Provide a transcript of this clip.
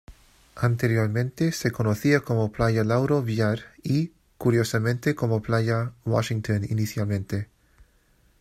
Anteriormente se le conocía como Playa Lauro Villar y, curiosamente como Playa Washington inicialmente.